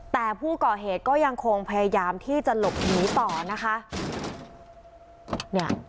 แต่ผู้ก่อเหตุก็ยังคงพยายามที่จะหลบหนีต่อนะคะ